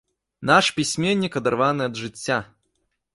Наш пісьменнік адарваны ад жыцця.